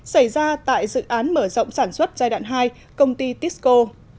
xảy ra tại dự án mở rộng sản xuất giai đoạn hai công ty tisco